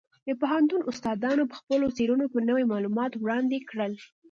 د پوهنتون استادانو په خپلو څېړنو کې نوي معلومات وړاندې کړل.